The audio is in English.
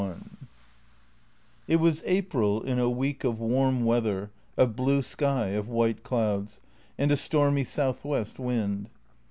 LI IT was April in a week of warm weather, of blue sky, of white clouds, and a stormy south west wind.